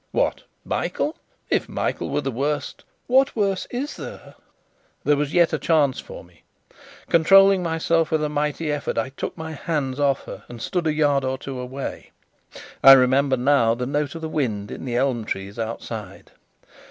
"What, Michael? If Michael were the worst " "What worse is there?" There was yet a chance for me. Controlling myself with a mighty effort, I took my hands off her and stood a yard or two away. I remember now the note of the wind in the elm trees outside.